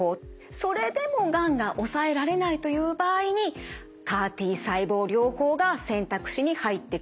それでもがんが抑えられないという場合にＣＡＲ−Ｔ細胞療法が選択肢に入ってくるといった流れなんです。